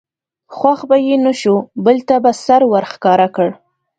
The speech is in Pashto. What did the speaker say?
خوښ به یې نه شو بل ته به سر ور ښکاره کړ.